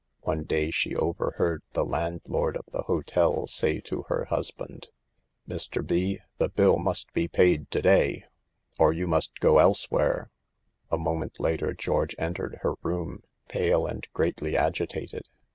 One day she overheard the landlord of the hotel say to her husband :« Mr. B , the bill must be paid to day, or you must go elsewhere." F 82 SAVE THE GIRLS. A moment later George entered her room, pale and greatly agitated.